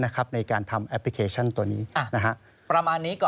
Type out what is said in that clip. ในการทำแอปพลิเคชันตัวนี้